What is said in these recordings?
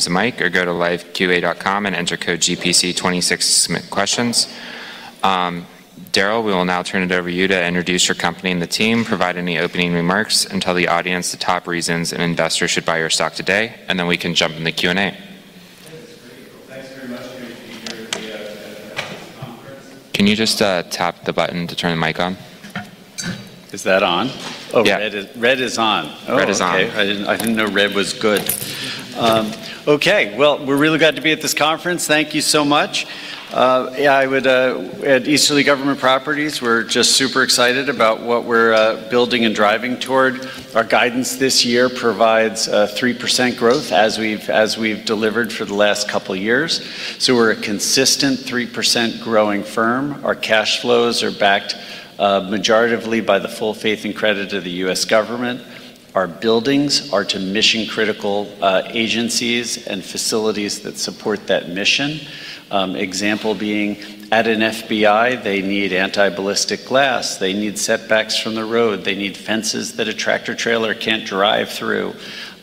Use the mic or go to liveqa.com and enter code GPC26 to submit questions. Darrell, we will now turn it over to you to introduce your company and the team, provide any opening remarks, and tell the audience the top reasons an investor should buy your stock today, and then we can jump in the Q&A. Thanks very much. Great to be here at the conference. Can you just tap the button to turn the mic on? Is that on? Yeah. Oh, red is on. Red is on. Oh, okay. I didn't know red was good. Okay. Well, we're really glad to be at this conference. Thank you so much. Yeah, I would. At Easterly Government Properties, we're just super excited about what we're building and driving toward. Our guidance this year provides 3% growth as we've delivered for the last couple years. We're a consistent 3% growing firm. Our cash flows are backed majoritively by the full faith and credit of the U.S. government. Our buildings are to mission-critical agencies and facilities that support that mission. Example being at an FBI, they need anti-ballistic glass. They need setbacks from the road. They need fences that a tractor-trailer can't drive through.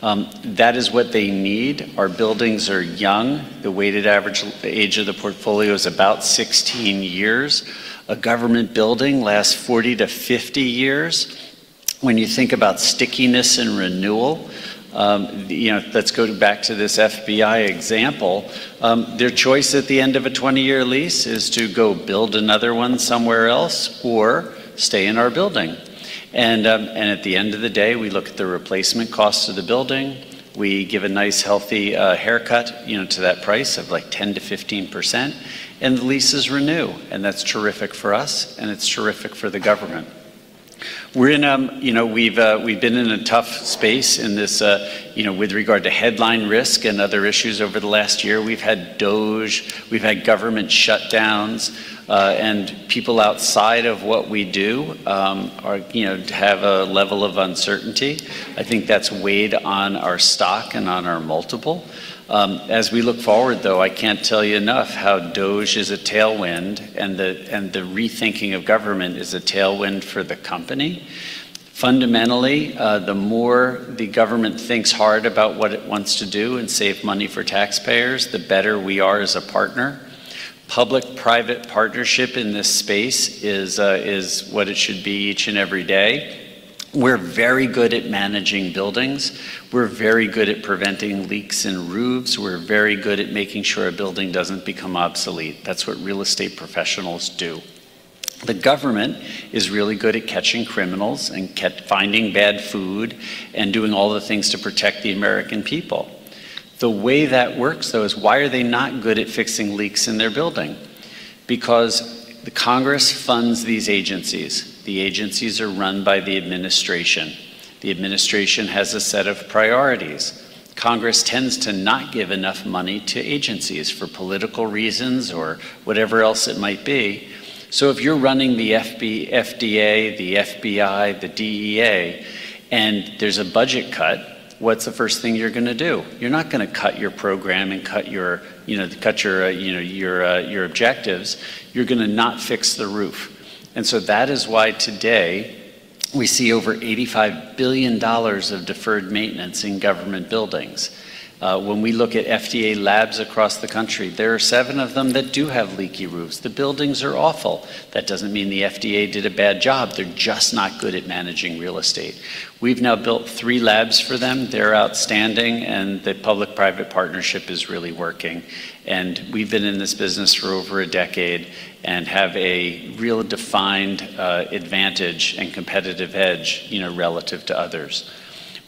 That is what they need. Our buildings are young. The weighted average age of the portfolio is about 16 years. A government building lasts 40-50 years. When you think about stickiness and renewal, you know, let's go back to this FBI example. Their choice at the end of a 20-year lease is to go build another one somewhere else or stay in our building. At the end of the day, we look at the replacement cost of the building. We give a nice, healthy haircut, you know, to that price of like 10%-15%. The leases renew. That's terrific for us, and it's terrific for the Government. We're in, you know, we've been in a tough space in this, you know, with regard to headline risk and other issues over the last year. We've had DoD. We've had government shutdowns. People outside of what we do, you know, have a level of uncertainty. I think that's weighed on our stock and on our multiple. As we look forward though, I can't tell you enough how DoD is a tailwind and the rethinking of government is a tailwind for the company. Fundamentally, the more the government thinks hard about what it wants to do and save money for taxpayers, the better we are as a partner. Public-private partnership in this space is what it should be each and every day. We're very good at managing buildings. We're very good at preventing leaks in roofs. We're very good at making sure a building doesn't become obsolete. That's what real estate professionals do. The government is really good at catching criminals and kept finding bad food and doing all the things to protect the American people. The way that works, though, is why are they not good at fixing leaks in their building? Because the Congress funds these agencies. The agencies are run by the administration. The administration has a set of priorities. Congress tends to not give enough money to agencies for political reasons or whatever else it might be. If you're running the FDA, the FBI, the DEA, and there's a budget cut, what's the first thing you're gonna do? You're not gonna cut your program and cut your, you know, cut your, you know, your objectives. You're gonna not fix the roof. That is why today we see over $85 billion of deferred maintenance in government buildings. When we look at FDA labs across the country, there are seven of them that do have leaky roofs. The buildings are awful. That doesn't mean the FDA did a bad job. They're just not good at managing real estate. We've now built three labs for them. They're outstanding, and the public-private partnership is really working. We've been in this business for over a decade and have a real defined advantage and competitive edge, you know, relative to others.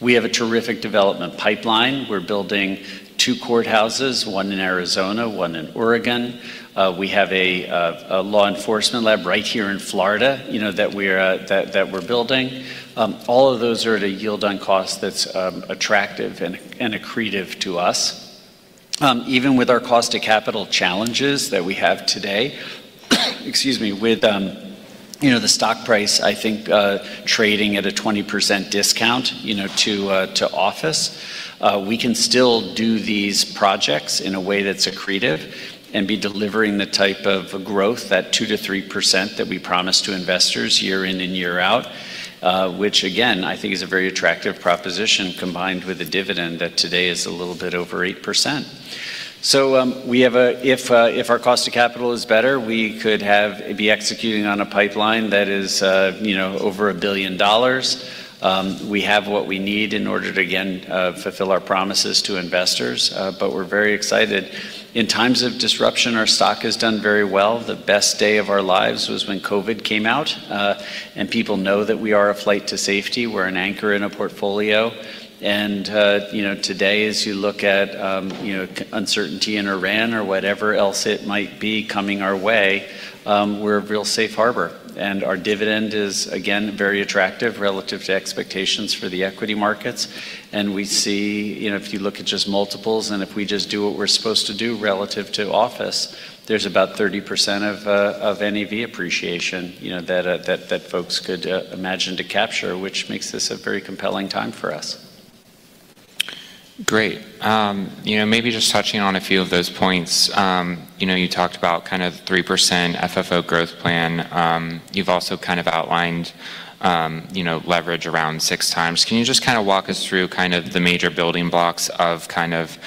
We have a terrific development pipeline. We're building two courthouses, one in Arizona, one in Oregon. We have a law enforcement lab right here in Florida, you know, that we're building. All of those are at a Yield on Cost that's attractive and accretive to us. Even with our cost to capital challenges that we have today, excuse me, with the stock price, I think, trading at a 20% discount to office, we can still do these projects in a way that's accretive and be delivering the type of growth, that 2%-3% that we promise to investors year in and year out, which again, I think is a very attractive proposition combined with the dividend that today is a little bit over 8%. If our cost to capital is better, we could have, be executing on a pipeline that is over $1 billion. We have what we need in order to, again, fulfill our promises to investors, but we're very excited. In times of disruption, our stock has done very well. The best day of our lives was when COVID came out. People know that we are a flight to safety. We're an anchor in a portfolio. You know, today as you look at, you know, uncertainty in Iran or whatever else it might be coming our way, we're a real safe harbor. Our dividend is, again, very attractive relative to expectations for the equity markets. We see, you know, if you look at just multiples, if we just do what we're supposed to do relative to office, there's about 30% of NAV appreciation, you know, that folks could imagine to capture, which makes this a very compelling time for us. Great. you know, maybe just touching on a few of those points. you know, you talked about kind of 3% FFO growth plan. you've also kind of outlined, you know, leverage around 6 times. Can you just kind of walk us through kind of the major building blocks of kind of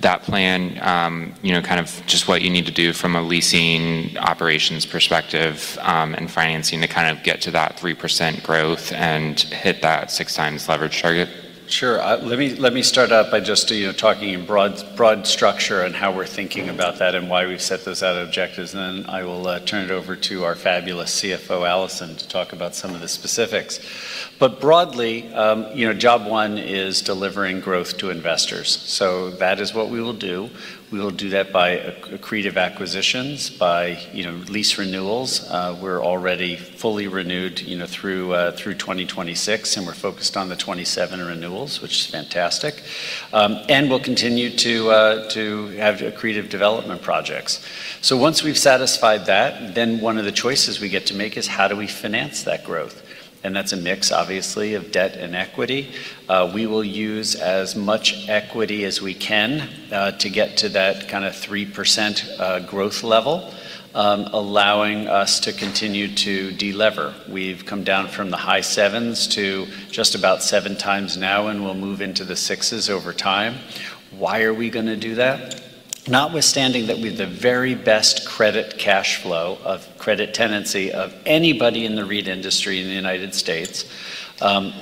that plan? you know, kind of just what you need to do from a leasing operations perspective, and financing to kind of get to that 3% growth and hit that 6 times leverage target. Sure. Let me start out by just, you know, talking in broad structure and how we're thinking about that and why we've set those out objectives, and then I will turn it over to our fabulous CFO, Alison, to talk about some of the specifics. Broadly, you know, job one is delivering growth to investors. That is what we will do. We will do that by accretive acquisitions, by, you know, lease renewals. We're already fully renewed, you know, through 2026, and we're focused on the 2027 renewals, which is fantastic. And we'll continue to have accretive development projects. Once we've satisfied that, then one of the choices we get to make is how do we finance that growth? That's a mix, obviously, of debt and equity. We will use as much equity as we can to get to that kind of 3% growth level, allowing us to continue to delever. We've come down from the high 7s to just about 7 times now, and we'll move into the 6s over time. Why are we gonna do that? Notwithstanding that we have the very best credit cash flow of credit tenancy of anybody in the REIT industry in the United States,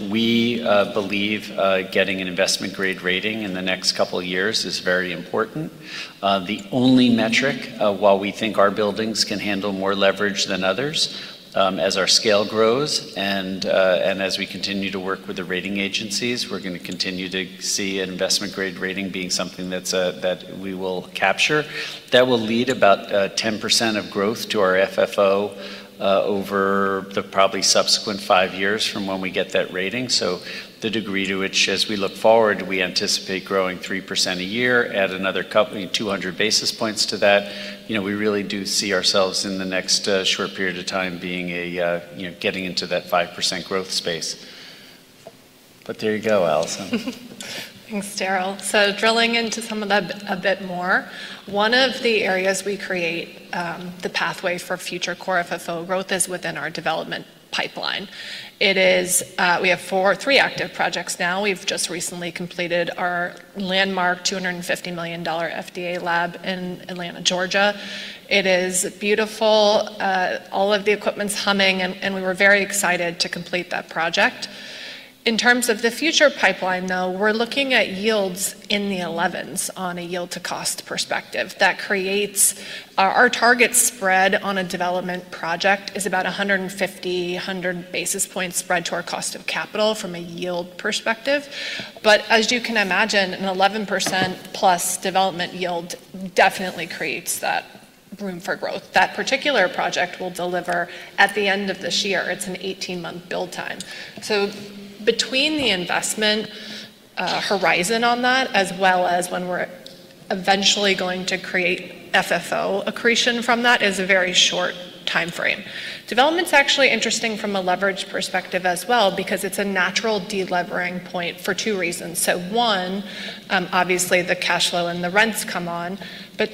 we believe getting an investment grade rating in the next couple of years is very important. The only metric, while we think our buildings can handle more leverage than others, as our scale grows and as we continue to work with the rating agencies, we're gonna continue to see an investment grade rating being something that's that we will capture. That will lead about 10% of growth to our FFO over the probably subsequent 5 years from when we get that rating. The degree to which, as we look forward, we anticipate growing 3% a year, add another couple, 200 basis points to that. You know, we really do see ourselves in the next short period of time being a, you know, getting into that 5% growth space. There you go, Alison. Thanks, Darrell. Drilling into some of that a bit more, one of the areas we create the pathway for future Core FFO growth is within our development pipeline. We have three active projects now. We've just recently completed our landmark $250 million FDA lab in Atlanta, Georgia. It is beautiful. All of the equipment's humming, and we were very excited to complete that project. In terms of the future pipeline, though, we're looking at yields in the 11s on a Yield on Cost perspective. Our target spread on a development project is about 150, 100 basis points spread to our cost of capital from a yield perspective. As you can imagine, an 11%+ development yield definitely creates that room for growth. That particular project will deliver at the end of this year. It's an 18-month build time. Between the investment horizon on that as well as when we're eventually going to create FFO accretion from that is a very short timeframe. Development's actually interesting from a leverage perspective as well because it's a natural de-levering point for two reasons. One, obviously the cash flow and the rents come on.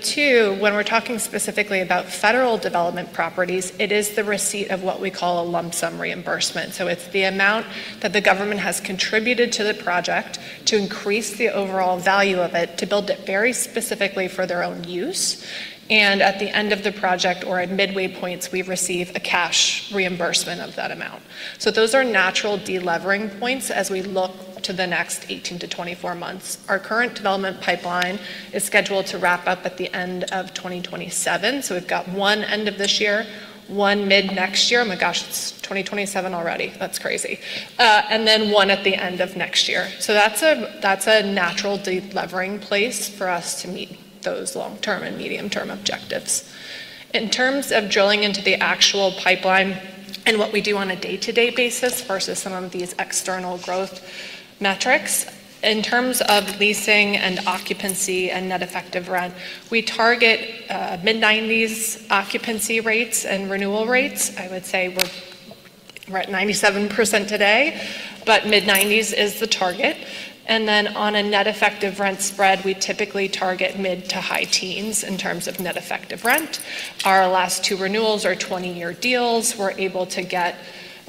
Two, when we're talking specifically about federal development properties, it is the receipt of what we call a lump-sum reimbursement. It's the amount that the government has contributed to the project to increase the overall value of it to build it very specifically for their own use. At the end of the project or at midway points, we receive a cash reimbursement of that amount. Those are natural de-levering points as we look to the next 18-24 months. Our current development pipeline is scheduled to wrap up at the end of 2027. We've got one end of this year, one mid-next year. My gosh, it's 2027 already. That's crazy. One at the end of next year. That's a natural de-levering place for us to meet those long-term and medium-term objectives. In terms of drilling into the actual pipeline and what we do on a day-to-day basis versus some of these external growth metrics, in terms of leasing and occupancy and Net Effective Rent, we target mid-90s occupancy rates and renewal rates. I would say we're at 97% today, but mid-90s is the target. On a Net Effective Rent spread, we typically target mid to high teens in terms of Net Effective Rent. Our last two renewals are 20-year deals. We're able to get,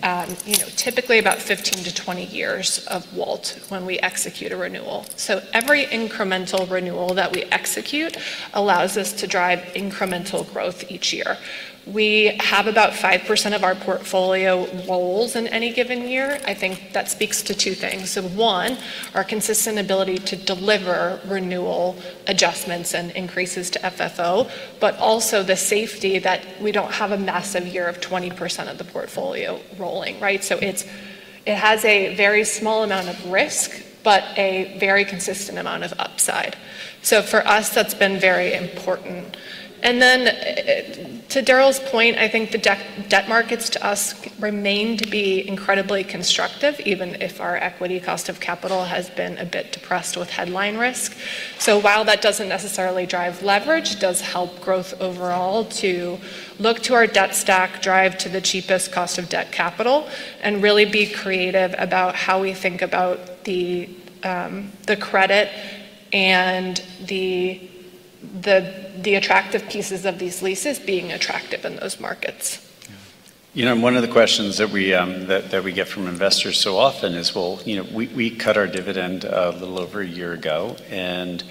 you know, typically about 15 to 20 years of WALT when we execute a renewal. Every incremental renewal that we execute allows us to drive incremental growth each year. We have about 5% of our portfolio rolls in any given year. I think that speaks to two things. One, our consistent ability to deliver renewal adjustments and increases to FFO, but also the safety that we don't have a massive year of 20% of the portfolio rolling, right? It has a very small amount of risk, but a very consistent amount of upside. For us, that's been very important. Then, to Darrell's point, I think the debt markets to us remain to be incredibly constructive, even if our equity cost of capital has been a bit depressed with headline risk. While that doesn't necessarily drive leverage, it does help growth overall to look to our debt stack, drive to the cheapest cost of debt capital, and really be creative about how we think about the credit and the attractive pieces of these leases being attractive in those markets. You know, one of the questions that we get from investors so often is, well, you know, we cut our dividend a little over a year ago, and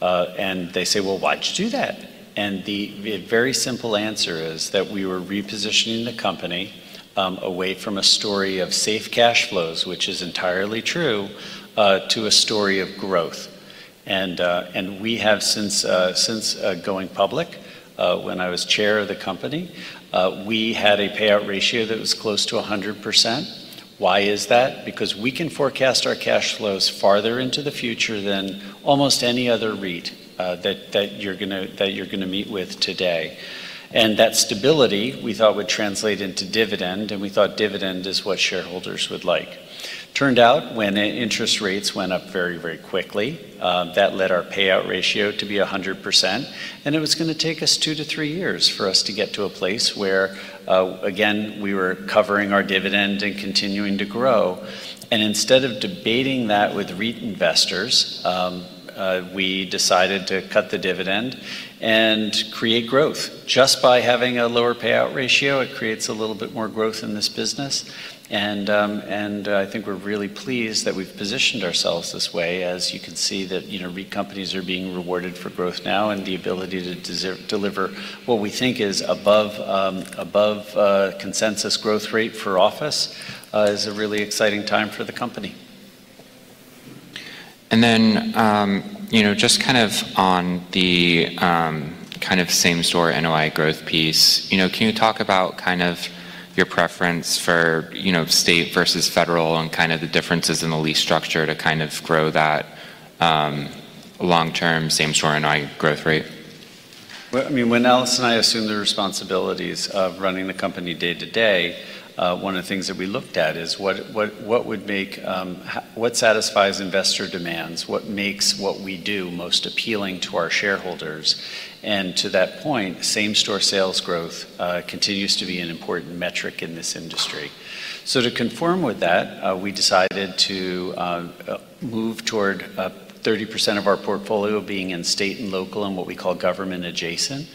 they say, "Well, why'd you do that?" The very simple answer is that we were repositioning the company, away from a story of safe cash flows, which is entirely true, to a story of growth. We have since going public, when I was chair of the company, we had a payout ratio that was close to 100%. Why is that? Because we can forecast our cash flows farther into the future than almost any other REIT, that you're gonna meet with today. That stability we thought would translate into dividend, and we thought dividend is what shareholders would like. Turned out when interest rates went up very, very quickly, that led our payout ratio to be 100%, and it was gonna take us 2-3 years for us to get to a place where again, we were covering our dividend and continuing to grow. Instead of debating that with REIT investors, we decided to cut the dividend and create growth. Just by having a lower payout ratio, it creates a little bit more growth in this business, and I think we're really pleased that we've positioned ourselves this way. As you can see that, you know, REIT companies are being rewarded for growth now and the ability to deliver what we think is above consensus growth rate for office, is a really exciting time for the company. You know, just kind of on the, kind of same-store NOI growth piece, you know, can you talk about kind of your preference for, you know, state versus federal and kind of the differences in the lease structure to kind of grow that, long-term same-store NOI growth rate? Well, I mean, when Alison and I assumed the responsibilities of running the company day-to-day, one of the things that we looked at is what would make what satisfies investor demands, what makes what we do most appealing to our shareholders. To that point, same-store sales growth continues to be an important metric in this industry. To conform with that, we decided to move toward 30% of our portfolio being in state and local and what we call government adjacent.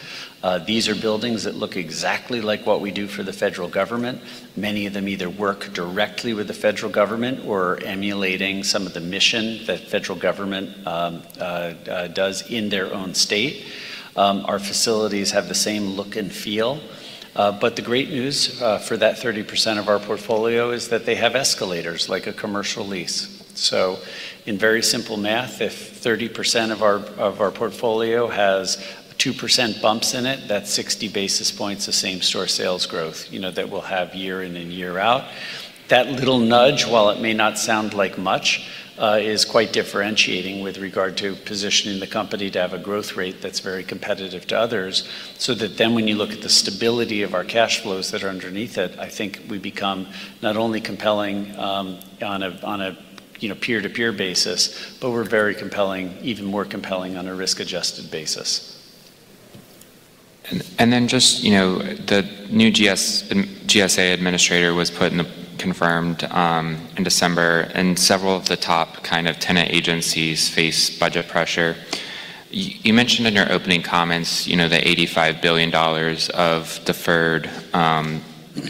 These are buildings that look exactly like what we do for the federal government. Many of them either work directly with the federal government or are emulating some of the mission that federal government does in their own state. Our facilities have the same look and feel. The great news for that 30% of our portfolio is that they have escalators like a commercial lease. In very simple math, if 30% of our portfolio has 2% bumps in it, that's 60 basis points of same-store sales growth, you know, that we'll have year in and year out. That little nudge, while it may not sound like much, is quite differentiating with regard to positioning the company to have a growth rate that's very competitive to others, so that then when you look at the stability of our cash flows that are underneath it, I think we become not only compelling, on a, you know, peer-to-peer basis, but we're very compelling, even more compelling on a risk-adjusted basis. Then just, you know, the new GSA administratr was confirmed in December, and several of the top kind of tenant agencies face budget pressure. You mentioned in your opening comments, you know, the $85 billion of deferred,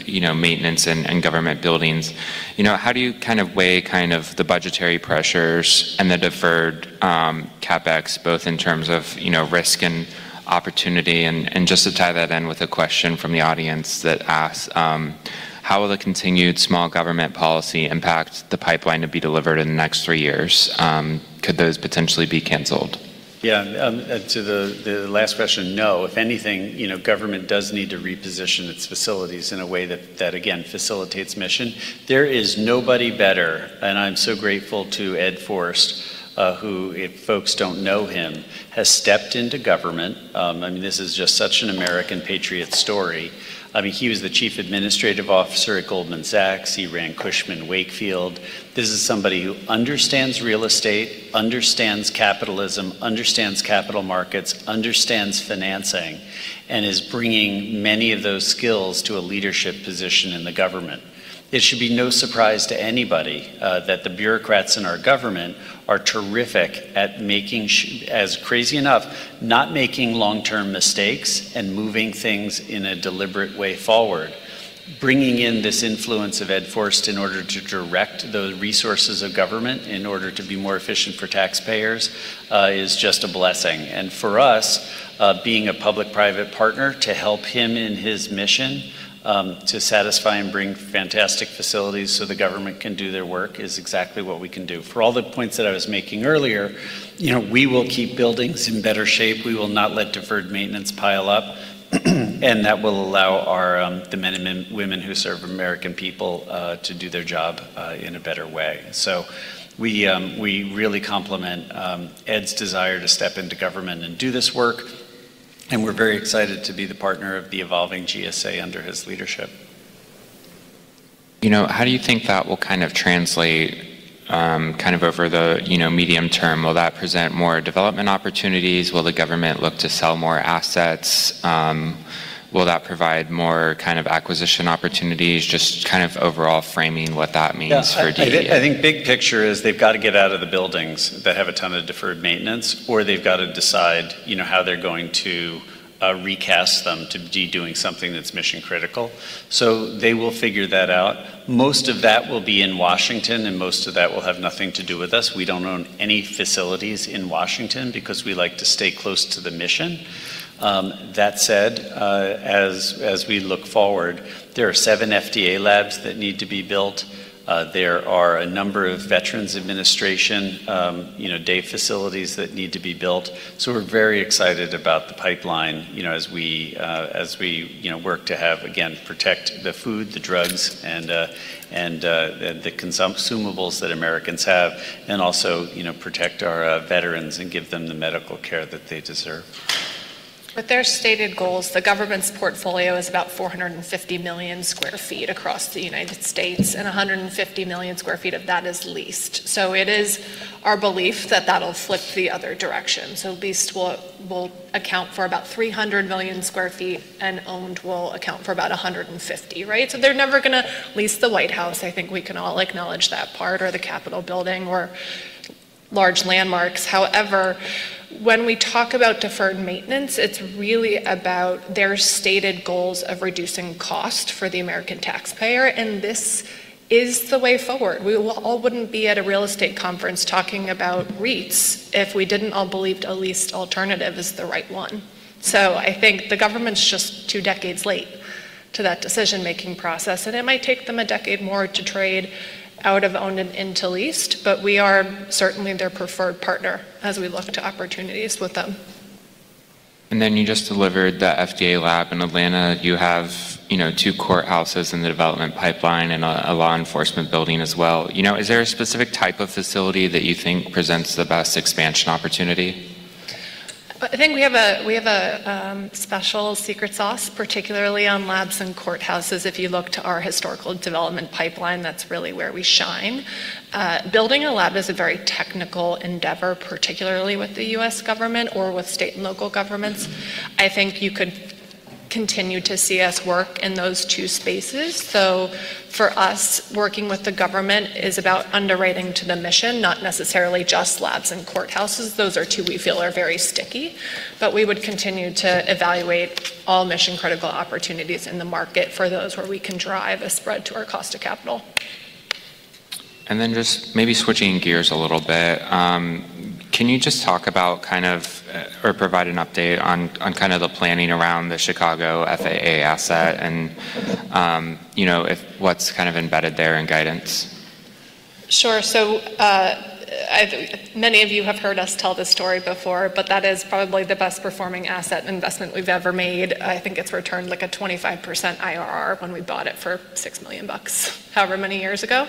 you know, maintenance in government buildings. You know, how do you kind of weigh kind of the budgetary pressures and the deferred CapEx, both in terms of, you know, risk and opportunity? Just to tie that in with a question from the audience that asks, "How will the continued small government policy impact the pipeline to be delivered in the next three years? Could those potentially be canceled? Yeah, to the last question, no. If anything, you know, government does need to reposition its facilities in a way that again facilitates mission. There is nobody better, and I'm so grateful to Ed Forst, who, if folks don't know him, has stepped into government. I mean, this is just such an American patriot story. I mean, he was the chief administrative officer at Goldman Sachs. He ran Cushman & Wakefield. This is somebody who understands real estate, understands capitalism, understands capital markets, understands financing, and is bringing many of those skills to a leadership position in the government. It should be no surprise to anybody that the bureaucrats in our government are terrific at making as crazy enough, not making long-term mistakes and moving things in a deliberate way forward. Bringing in this influence of Ed Forst in order to direct the resources of government in order to be more efficient for taxpayers, is just a blessing. For us, being a public-private partner to help him in his mission, to satisfy and bring fantastic facilities so the government can do their work is exactly what we can do. For all the points that I was making earlier, you know, we will keep buildings in better shape. We will not let deferred maintenance pile up, and that will allow our, the men and women who serve American people, to do their job in a better way. We really complement Ed's desire to step into government and do this work, and we're very excited to be the partner of the evolving GSA under his leadership. You know, how do you think that will kind of translate, kind of over the, you know, medium term? Will that present more development opportunities? Will the government look to sell more assets? Will that provide more kind of acquisition opportunities? Just kind of overall framing what that means for DEA. Yeah. I think big picture is they've got to get out of the buildings that have a ton of deferred maintenance, or they've got to decide, you know, how they're going to recast them to be doing something that's mission critical. They will figure that out. Most of that will be in Washington, most of that will have nothing to do with us. We don't own any facilities in Washington because we like to stay close to the mission. That said, as we look forward, there are seven FDA labs that need to be built. There are a number of Veterans Administration, you know, day facilities that need to be built. We're very excited about the pipeline, you know, as we, you know, work to have, again, protect the food, the drugs, and the consumables that Americans have, and also, you know, protect our veterans and give them the medical care that they deserve. With their stated goals, the government's portfolio is about 450 million sq ft across the United States, and 150 million sq ft of that is leased. It is our belief that that'll flip the other direction. Leased will account for about 300 million sq ft, and owned will account for about 150, right? They're never gonna lease the White House, I think we can all acknowledge that part, or the Capitol Building or large landmarks. However, when we talk about deferred maintenance, it's really about their stated goals of reducing cost for the American taxpayer, and this is the way forward. We all wouldn't be at a real estate conference talking about REITs if we didn't all believe the leased alternative is the right one. I think the government's just two decades late to that decision-making process, and it might take them a decade more to trade out of owned and into leased, but we are certainly their preferred partner as we look to opportunities with them. You just delivered the FDA lab in Atlanta. You have, you know, two courthouses in the development pipeline and a law enforcement building as well. You know, is there a specific type of facility that you think presents the best expansion opportunity? I think we have a special secret sauce, particularly on labs and courthouses. If you look to our historical development pipeline, that's really where we shine. Building a lab is a very technical endeavor, particularly with the U.S. government or with state and local governments. I think you could continue to see us work in those two spaces. For us, working with the government is about underwriting to the mission, not necessarily just labs and courthouses. Those are two we feel are very sticky. We would continue to evaluate all mission-critical opportunities in the market for those where we can drive a spread to our cost of capital. Just maybe switching gears a little bit, can you just talk about kind of, or provide an update on kind of the planning around the Chicago FAA asset and, you know, if what's kind of embedded there in guidance? Many of you have heard us tell this story before, but that is probably the best performing asset investment we've ever made. I think it's returned like a 25% IRR when we bought it for $6 million however many years ago.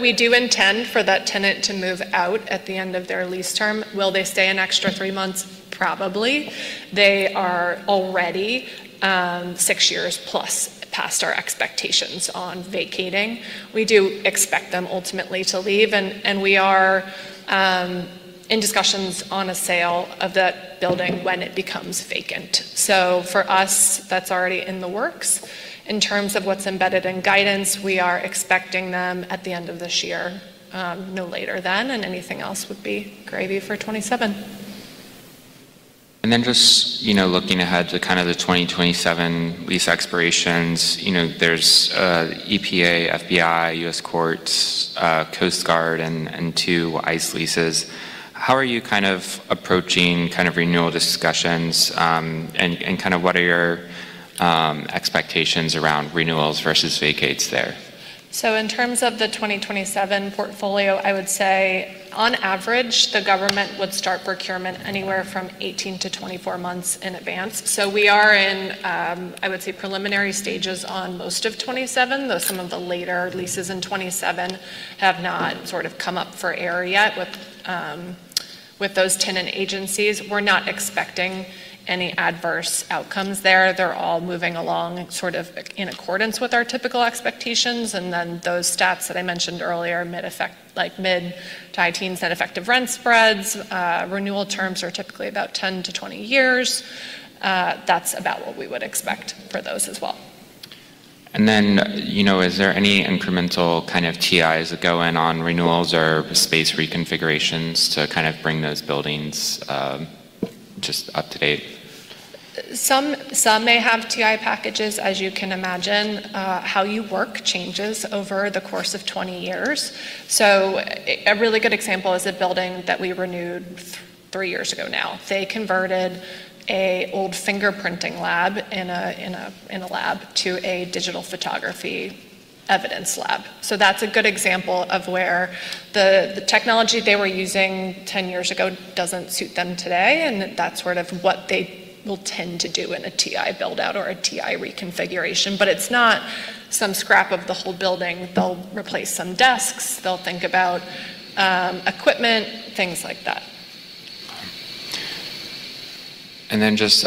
We do intend for that tenant to move out at the end of their lease term. Will they stay an extra 3 months? Probably. They are already 6 years plus past our expectations on vacating. We do expect them ultimately to leave, and we are in discussions on a sale of the building when it becomes vacant. For us, that's already in the works. In terms of what's embedded in guidance, we are expecting them at the end of this year, no later than, and anything else would be gravy for 2027. Just, you know, looking ahead to kind of the 2027 lease expirations, you know, there's EPA, FBI, U.S. Courts, Coast Guard, and 2 ICE leases. How are you kind of approaching kind of renewal discussions, and kind of what are your expectations around renewals versus vacates there? In terms of the 2027 portfolio, I would say on average, the government would start procurement anywhere from 18 to 24 months in advance. We are in, I would say preliminary stages on most of 27, though some of the later leases in 27 have not sort of come up for air yet with those tenant agencies. We're not expecting any adverse outcomes there. They're all moving along sort of in accordance with our typical expectations. Those stats that I mentioned earlier, like mid to high teens Net Effective Rent spreads, renewal terms are typically about 10 to 20 years. That's about what we would expect for those as well. Then, you know, is there any incremental kind of TIs that go in on renewals or space reconfigurations to kind of bring those buildings, just up to date? Some may have TI packages. As you can imagine, how you work changes over the course of 20 years. A really good example is a building that we renewed 3 years ago now. They converted an old fingerprinting lab in a lab to a digital photography evidence lab. That's a good example of where the technology they were using 10 years ago doesn't suit them today, and that's sort of what they will tend to do in a TI build-out or a TI reconfiguration. It's not some scrap of the whole building. They'll replace some desks. They'll think about equipment, things like that. Just,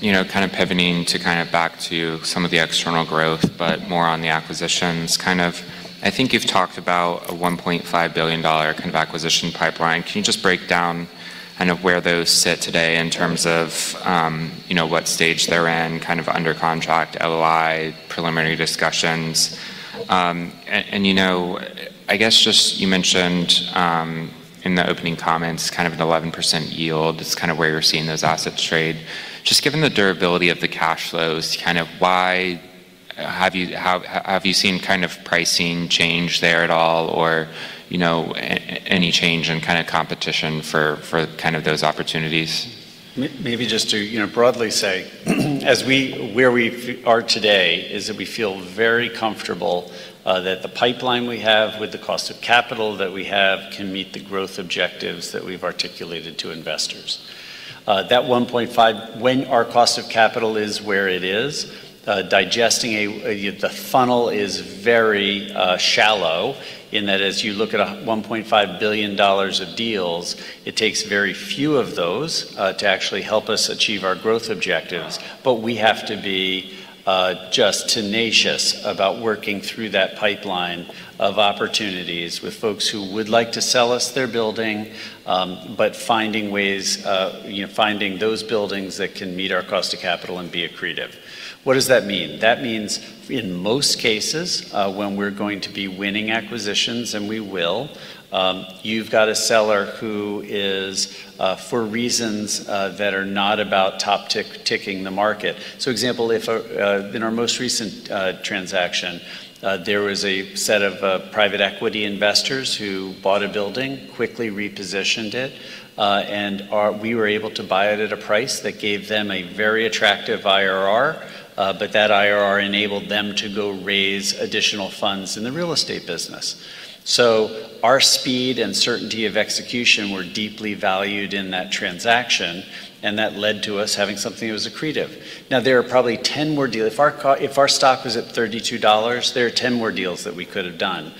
you know, kind of pivoting to kind of back to some of the external growth, but more on the acquisitions kind of I think you've talked about a $1.5 billion kind of acquisition pipeline. Can you just break down kind of where those sit today in terms of, you know, what stage they're in, kind of under contract, LOI, preliminary discussions? You know, I guess just you mentioned in the opening comments kind of an 11% yield is kind of where you're seeing those assets trade. Just given the durability of the cash flows, kind of why have you seen kind of pricing change there at all or, you know, any change in kind of competition for kind of those opportunities? Maybe just to, you know, broadly say, as we are today is that we feel very comfortable that the pipeline we have with the cost of capital that we have can meet the growth objectives that we've articulated to investors. When our cost of capital is where it is, digesting the funnel is very shallow in that as you look at a $1.5 billion of deals, it takes very few of those to actually help us achieve our growth objectives. We have to be just tenacious about working through that pipeline of opportunities with folks who would like to sell us their building, but finding ways, you know, finding those buildings that can meet our cost of capital and be accretive. What does that mean? That means in most cases, when we're going to be winning acquisitions, and we will, you've got a seller who is for reasons that are not about top tick-ticking the market. Example, if in our most recent transaction, there was a set of private equity investors who bought a building, quickly repositioned it, and we were able to buy it at a price that gave them a very attractive IRR, but that IRR enabled them to go raise additional funds in the real estate business. Our speed and certainty of execution were deeply valued in that transaction, and that led to us having something that was accretive. Now, there are probably 10 more. If our stock was at $32, there are 10 more deals that we could have done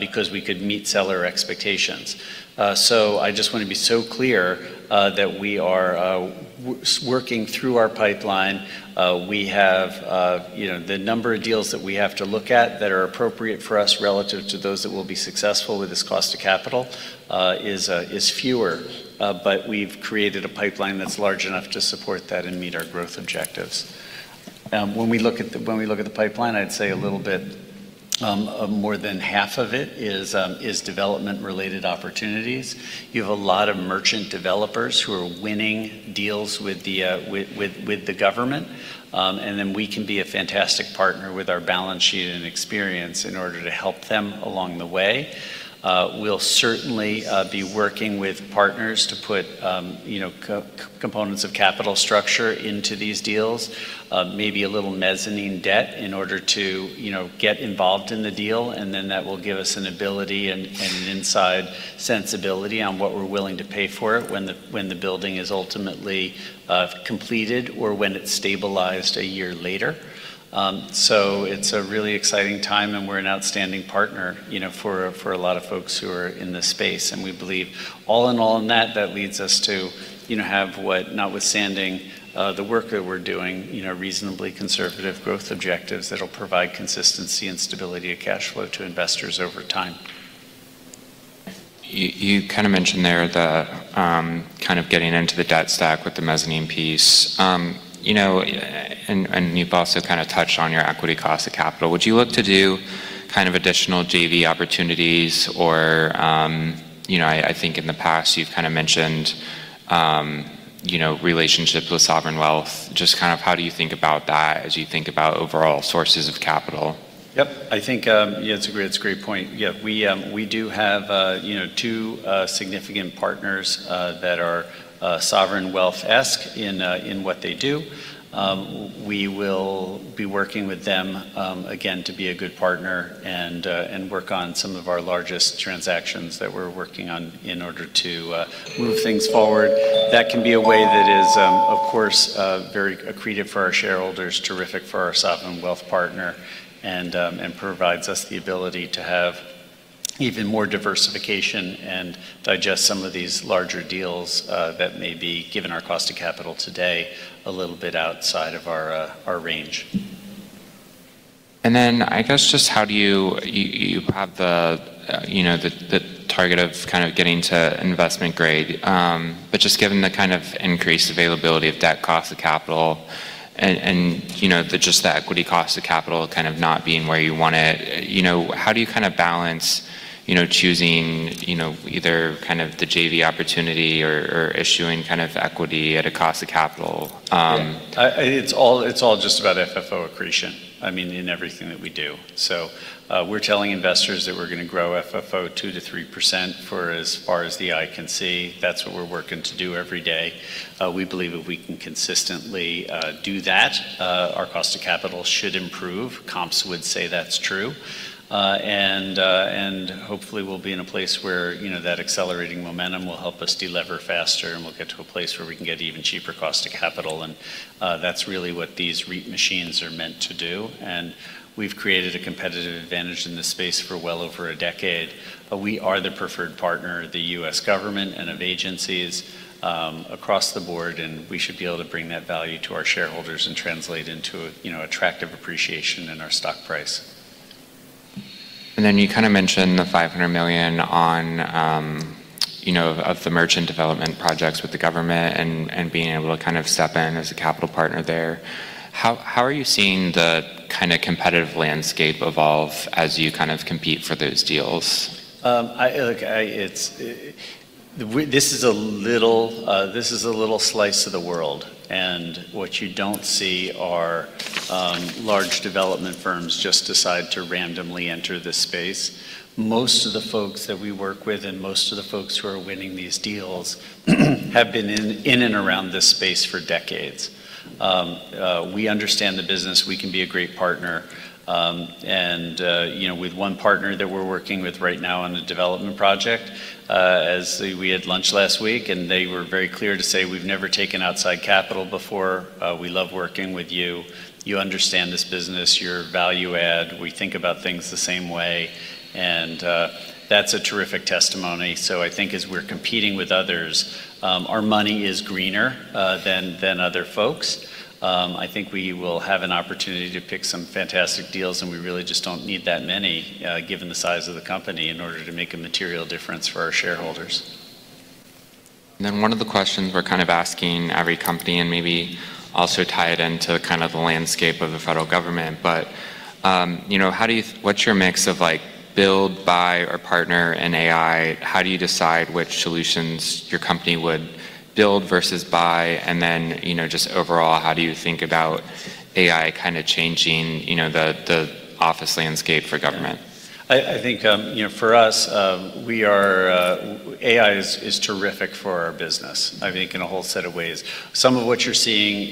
because we could meet seller expectations. I just want to be so clear that we are working through our pipeline. We have, you know, the number of deals that we have to look at that are appropriate for us relative to those that will be successful with this cost of capital is fewer, but we've created a pipeline that's large enough to support that and meet our growth objectives. When we look at the pipeline, I'd say a little bit of more than half of it is development-related opportunities. You have a lot of merchant developers who are winning deals with the government, then we can be a fantastic partner with our balance sheet and experience in order to help them along the way. We'll certainly be working with partners to put, you know, co-components of capital structure into these deals, maybe a little mezzanine debt in order to, you know, get involved in the deal, and then that will give us an ability and an inside sensibility on what we're willing to pay for it when the building is ultimately completed or when it's stabilized a year later. It's a really exciting time, and we're an outstanding partner, you know, for a lot of folks who are in this space. We believe all in that leads us to, you know, have what notwithstanding, the work that we're doing, you know, reasonably conservative growth objectives that'll provide consistency and stability of cash flow to investors over time. You kind of mentioned there the kind of getting into the debt stack with the mezzanine piece. You know, and you've also kind of touched on your equity cost of capital. Would you look to do kind of additional JV opportunities or, you know, I think in the past you've kind of mentioned, you know, relationships with sovereign wealth. Just kind of how do you think about that as you think about overall sources of capital? Yep. I think, yeah, it's a great, it's a great point. Yeah. We do have, you know, 2 significant partners that are sovereign wealth-esque in what they do. We will be working with them again, to be a good partner and work on some of our largest transactions that we're working on in order to move things forward. That can be a way that is, of course, very accretive for our shareholders, terrific for our sovereign wealth partner and provides us the ability to have even more diversification and digest some of these larger deals that may be, given our cost of capital today, a little bit outside of our range. I guess just how do you have the, you know, the target of kind of getting to investment grade. Just given the kind of increased availability of debt cost of capital and, you know, the just the equity cost of capital kind of not being where you want it, you know, how do you kind of balance, you know, choosing, you know, either kind of the JV opportunity or issuing kind of equity at a cost of capital? Yeah. It's all, it's all just about FFO accretion, I mean, in everything that we do. We're telling investors that we're gonna grow FFO 2% to 3% for as far as the eye can see. That's what we're working to do every day. We believe if we can consistently do that, our cost of capital should improve. Comps would say that's true. And hopefully we'll be in a place where, you know, that accelerating momentum will help us delever faster, and we'll get to a place where we can get even cheaper cost of capital. That's really what these REIT machines are meant to do. We've created a competitive advantage in this space for well over a decade, but we are the preferred partner of the U.S. government and of agencies, across the board, and we should be able to bring that value to our shareholders and translate into, you know, attractive appreciation in our stock price. You kind of mentioned the $500 million on, you know, of the merchant development projects with the government and being able to kind of step in as a capital partner there. How, how are you seeing the kinda competitive landscape evolve as you kind of compete for those deals? Look, this is a little slice of the world. What you don't see are large development firms just decide to randomly enter this space. Most of the folks that we work with and most of the folks who are winning these deals have been in and around this space for decades. We understand the business. We can be a great partner. You know, with one partner that we're working with right now on a development project, as we had lunch last week, and they were very clear to say, "We've never taken outside capital before. We love working with you. You understand this business, your value add. We think about things the same way." That's a terrific testimony. I think as we're competing with others, our money is greener than other folks. I think we will have an opportunity to pick some fantastic deals, and we really just don't need that many, given the size of the company in order to make a material difference for our shareholders. One of the questions we're kind of asking every company and maybe also tie it into kind of the landscape of the federal government, you know, what's your mix of like, build, buy or partner in AI? How do you decide which solutions your company would build versus buy? You know, just overall, how do you think about AI kinda changing, you know, the office landscape for government? I think, you know, for us, we are, AI is terrific for our business, I think in a whole set of ways. Some of what you're seeing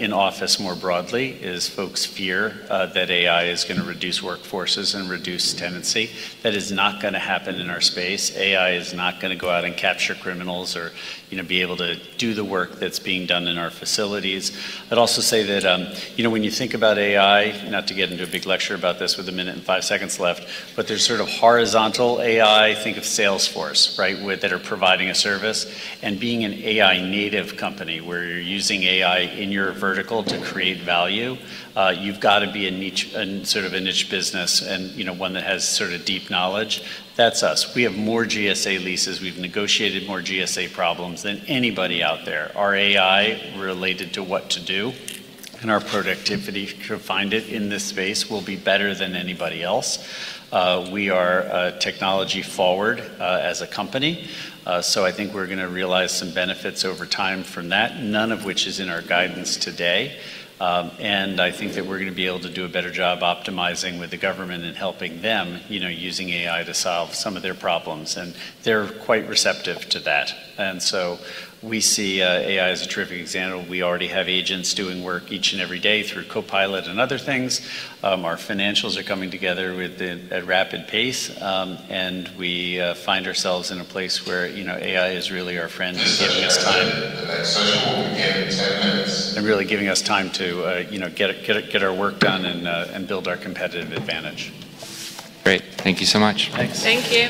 in office more broadly is folks fear that AI is gonna reduce workforces and reduce tenancy. That is not gonna happen in our space. AI is not gonna go out and capture criminals or, you know, be able to do the work that's being done in our facilities. I'd also say that, you know, when you think about AI, not to get into a big lecture about this with 1 minute and 5 seconds left, but there's sort of horizontal AI, think of Salesforce, right? That are providing a service. Being an AI native company, where you're using AI in your vertical to create value, you've got to be a niche business and, you know, one that has sorta deep knowledge. That's us. We have more GSA leases. We've negotiated more GSA problems than anybody out there. Our AI related to what to do and our productivity to find it in this space will be better than anybody else. We are technology forward as a company, so I think we're gonna realize some benefits over time from that, none of which is in our guidance today. I think that we're gonna be able to do a better job optimizing with the government and helping them, you know, using AI to solve some of their problems, and they're quite receptive to that. We see AI as a terrific example. We already have agents doing work each and every day through Microsoft Copilot and other things. Our financials are coming together at rapid pace, and we find ourselves in a place where, you know, AI is really our friend and giving us time. Really giving us time to, you know, get our work done and build our competitive advantage. Great. Thank you so much. Thanks. Thank you.